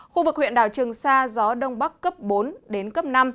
khu vực huyện đảo trường sa gió đông bắc cấp bốn đến cấp năm